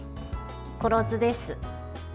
黒酢です。